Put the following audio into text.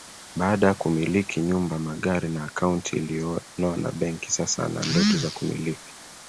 baada ya kumiliki nyumba magari na akaunti iliyonona benki sasa ana ndoto za kumiliki